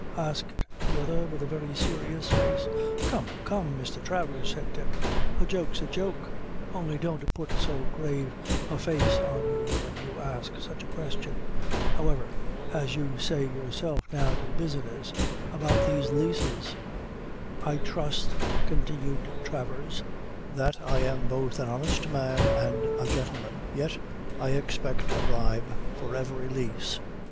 asked the other, with a very serious face. "Come, come, Mr. Travers," said Dick, "a joke's a joke; only don't put so grave a face on you when you ask such a question. However, as you say yourself, now to business about these leases." "I trust," continued Travers, "that I am both an honest man and a gentleman, yet I expect a bribe for every lease."